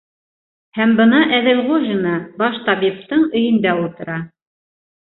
...Һәм бына Әҙелғужина баш табиптың өйөндә ултыра.